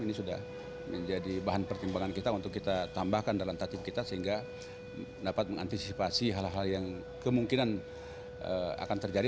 ini sudah menjadi bahan pertimbangan kita untuk kita tambahkan dalam tatib kita sehingga dapat mengantisipasi hal hal yang kemungkinan akan terjadi